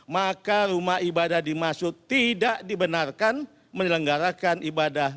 maka rumah ibadah dimaksud tidak dibenarkan menyelenggarakan ibadah